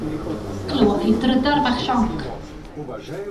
Clywodd hi drydar bach sionc.